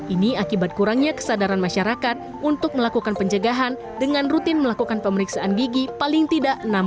ini akibat kurangnya kesadaran masyarakat untuk melakukan pencegahan dengan rutin melakukan pemeriksaan gigi paling tidak